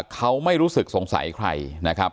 เขาไม่รู้สึกสงสัยใคร